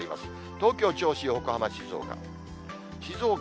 東京、銚子、横浜、静岡。